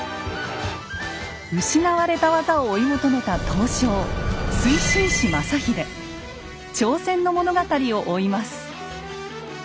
失われた技を追い求めた刀匠挑戦の物語を追います。